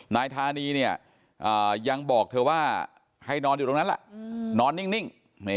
นายธานีเนี่ยยังบอกเธอว่าให้นอนอยู่ตรงนั้นล่ะนอนนิ่ง